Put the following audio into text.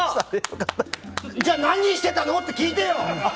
じゃあ、何してたの？って聞いてよ！